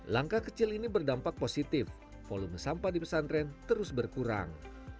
langkah kecil ini berdampak positif volume sampah di pesantren terus berkurang